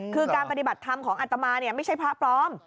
คือการปฏิบัติธรรมของอัตมาไม่ใช่พระปลอม